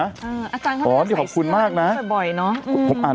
อาจารย์เขาจะขายเสื้ออันนี้ก็บ่อยนะ